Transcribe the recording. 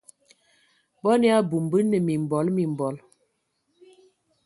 Bɔn ya abum, bə nə mimbɔl mimbɔl.